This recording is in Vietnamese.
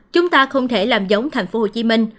chúng ta không thể làm giống tp hcm